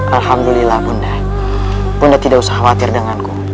alhamdulillah bunda bunda tidak usah khawatir denganku